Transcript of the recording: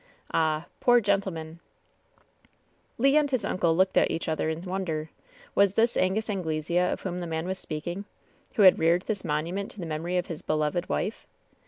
Ah, poor gentleman !" Le and his uncle looked at each other in wonder. Was this Angus Anglesea of whom the man was speaking? who had reared this monument to the memory of his "beloved wife"?